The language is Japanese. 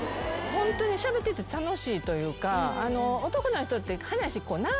ホントにしゃべってて楽しいというか男の人って。